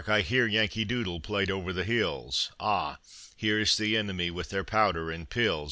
I hear Yankee Doodle played over the hills! Ah! here's the enemy with their powder and pills.